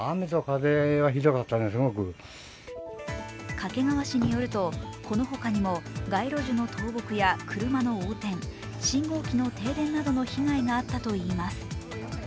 掛川市によるとこの他にも街路樹の倒木や車の横転、信号機の停電などの被害があったといいます。